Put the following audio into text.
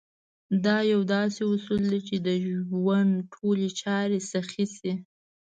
دا يو داسې اصول دی چې ژوند ټولې چارې سيخې شي.